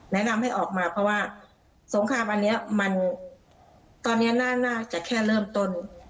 แนะนำให้ออกมาเพราะว่าสงครามอันนี้มันตอนนี้น่าจะแค่เริ่มต้น